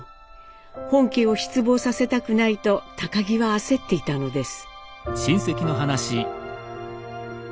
本家を失望させたくないと儀は焦っていたのです。